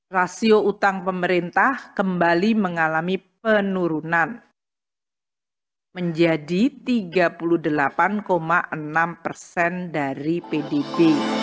rasio utang pemerintah kembali mengalami penurunan menjadi tiga puluh delapan enam persen dari pdb